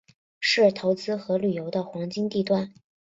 是投资和旅游的黄金地段。